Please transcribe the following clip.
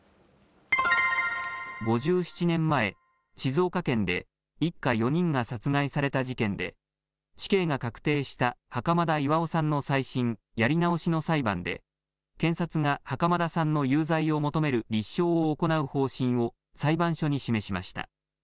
５７年前、静岡県で一家４人が殺害された事件で、死刑が確定した袴田巌さんの再審・やり直しの裁判で、検察が袴田さんの有罪を求める立証を行う方針を裁判所に示しました。